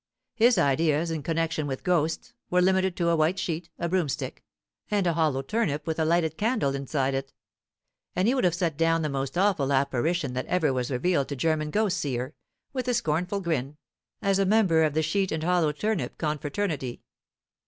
His ideas in connection with ghosts were limited to a white sheet, a broomstick, and a hollow turnip with a lighted candle inside it; and he would have set down the most awful apparition that ever was revealed to German ghost seer, with a scornful grin, as a member of the sheet and hollow turnip confraternity.